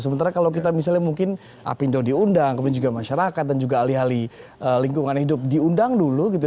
sementara kalau kita misalnya mungkin apindo diundang kemudian juga masyarakat dan juga alih alih lingkungan hidup diundang dulu gitu